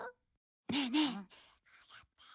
ねえねえ。